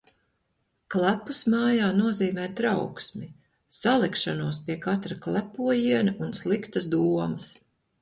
Klepus mājā nozīmē trauksmi. Salekšanos pie katra klepojiena un sliktas domas.